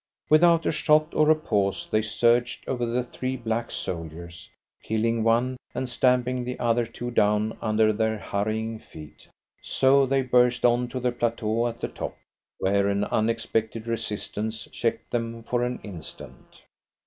Without a shot or a pause they surged over the three black soldiers, killing one and stamping the other two down under their hurrying feet. So they burst on to the plateau at the top, where an unexpected resistance checked them for an instant.